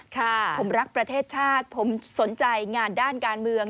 ผมรักประเทศชาติผมสนใจงานด้านการเมือง